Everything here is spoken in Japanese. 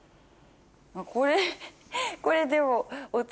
これこれでも。